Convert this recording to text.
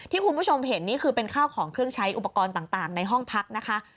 คุณผู้ชมเห็นนี่คือเป็นข้าวของเครื่องใช้อุปกรณ์ต่างในห้องพักนะคะ